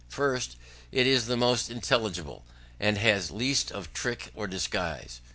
First, because it is the most intelligible, and has least of trick or disguise.